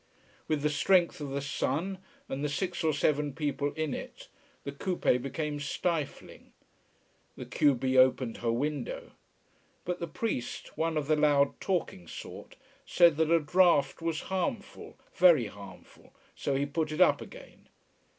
With the strength of the sun, and the six or seven people in it, the coupé became stifling. The q b opened her window. But the priest, one of the loudtalking sort, said that a draught was harmful, very harmful, so he put it up again.